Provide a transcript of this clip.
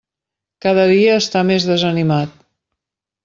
Cada dia està més desanimat.